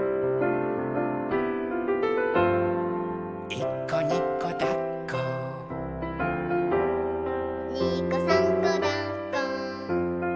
「いっこにこだっこ」「にこさんこだっこ」